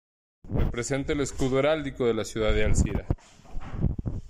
Representa el escudo heráldico de la ciudad de Alcira.